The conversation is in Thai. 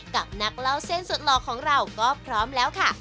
กับนักเล่าเส้นสุดหล่อของเราก็พร้อมแล้วค่ะ